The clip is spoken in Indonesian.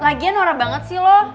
lagian warah banget sih lo